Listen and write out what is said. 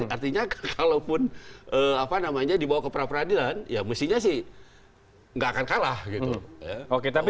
artinya kalau pun apa namanya dibawa ke para peradilan ya mestinya sih nggak akan kalah gitu